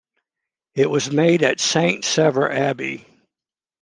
It was made at Saint-Sever Abbey.